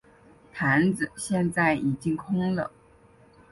盘子现在已经空了。